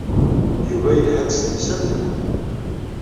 Yuba yelha-d s temsalt-nni.